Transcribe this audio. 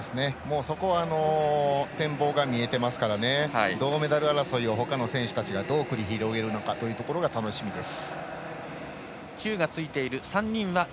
そこはもう展望が見えていますから銅メダル争いをほかの選手たちがどう繰り広げるのか楽しみです。